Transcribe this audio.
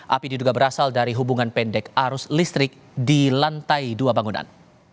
api diduga berasal dari hubungan pendek arus listrik di lantai dua bangunan